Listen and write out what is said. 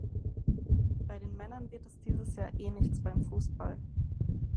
Bei den Männern wird es dieses Jahr eh nichts beim Fußball.